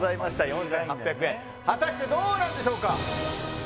４８００円果たしてどうなんでしょうか？